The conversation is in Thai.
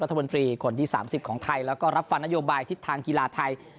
นายกรัฐบลฤษฐรีคนที่สามสิบของไทยแล้วก็รับฝ่านโยบายทิศทางกีฬาไทย